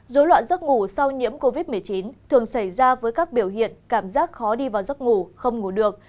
dối loạn giấc ngủ sau nhiễm covid một mươi chín thường xảy ra với các biểu hiện cảm giác khó đi vào giấc ngủ không ngủ được